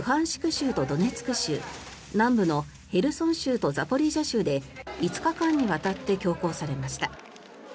州とドネツク州南部のヘルソン州とザポリージャ州で５日間にわたって強行されました。